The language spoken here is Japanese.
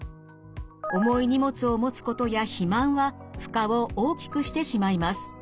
重い荷物を持つことや肥満は負荷を大きくしてしまいます。